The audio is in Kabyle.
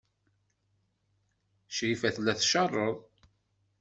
Crifa tella tcerreḍ.